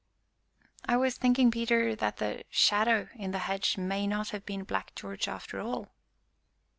"I was thinking, Peter, that the shadow in the hedge may not have been Black George, after all."